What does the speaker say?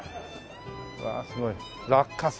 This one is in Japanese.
うわすごい落花生。